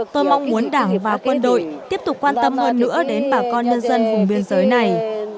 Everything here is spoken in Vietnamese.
tôi mong muốn đảng và quân đội tiếp tục quan tâm hơn nữa đến bà con nhân dân vùng biên giới này